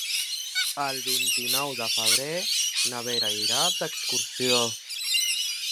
El vint-i-nou de febrer na Vera irà d'excursió.